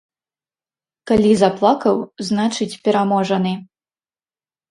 Калі заплакаў, значыць, пераможаны.